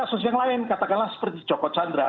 kasus yang lain katakanlah seperti joko chandra